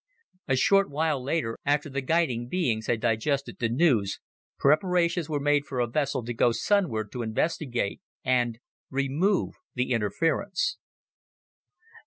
A short while later, after the guiding beings had digested the news, preparations were made for a vessel to go sunward to investigate and remove the interference.